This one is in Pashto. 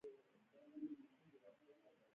ښوونکي به تر هغه وخته پورې نوي درسونه چمتو کوي.